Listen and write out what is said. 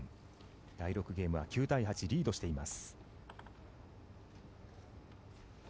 第６ゲームは９対８リードしています。